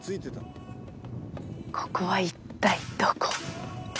ここは一体どこ？